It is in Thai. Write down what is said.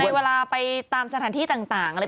เวลาไปตามสถานที่ต่างอะไร